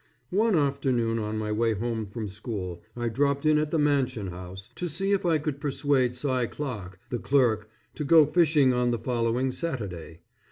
One afternoon on my way home from school, I stopped in at the Mansion House, to see if I could persuade Cy Clark, the clerk, to go fishing on the following Saturday.